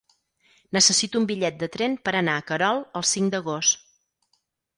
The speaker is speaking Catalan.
Necessito un bitllet de tren per anar a Querol el cinc d'agost.